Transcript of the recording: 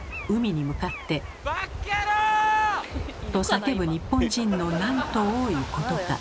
バッカヤロー！と叫ぶ日本人のなんと多いことか。